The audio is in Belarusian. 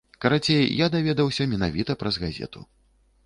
Карацей, я даведаўся менавіта праз газету.